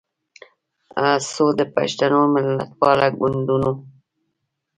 خو د پښتنو ملتپاله ګوندونو